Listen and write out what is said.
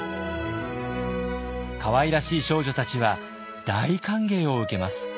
かわいらしい少女たちは大歓迎を受けます。